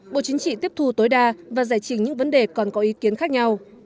bộ chính trị tiếp thu tối đa và giải trình những vấn đề còn có ý kiến khác nhau